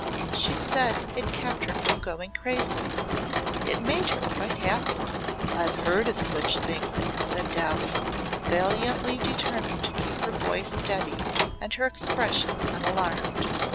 She said it kept her from going crazy. It made her quite happy." "I've heard of such things," said Dowie, valiantly determined to keep her voice steady and her expression unalarmed.